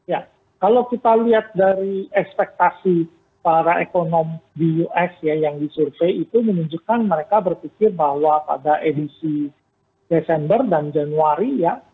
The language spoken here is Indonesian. ya kalau kita lihat dari ekspektasi para ekonom di us ya yang disurvey itu menunjukkan mereka berpikir bahwa pada edisi desember dan januari ya